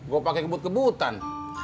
gue pakai kebut kebutan